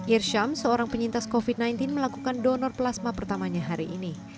irsyam seorang penyintas covid sembilan belas melakukan donor plasma pertamanya hari ini